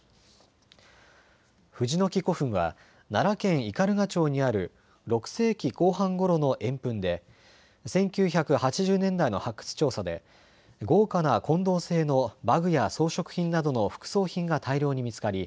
藤ノ木古墳は奈良県斑鳩町にある６世紀後半ごろの円墳で１９８０年代の発掘調査で豪華な金銅製の馬具や装飾品などの副葬品が大量に見つかり